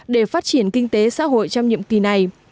để phát triển kinh tế xã hội trong nhiệm kỳ này